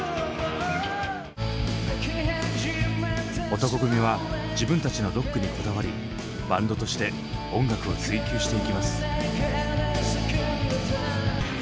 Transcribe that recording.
男闘呼組は自分たちのロックにこだわりバンドとして音楽を追求していきます。